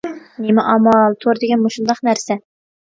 نېمە ئامال، تور دېگەن مۇشۇنداق نەرسە.